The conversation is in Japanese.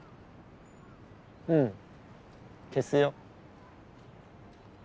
うん消すよ。